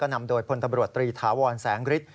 นำโดยพลตำรวจตรีถาวรแสงฤทธิ